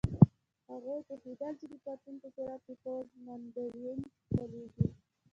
هغوی پوهېدل چې د پاڅون په صورت کې پوځ منډلینډ ته لېږي.